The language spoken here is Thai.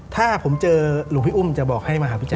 ถ้าผมเจอหลวงพี่อุ้มจะบอกให้มหาวิทยา